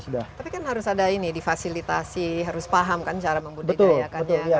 tapi kan harus ada ini difasilitasi harus paham kan cara membudidayakannya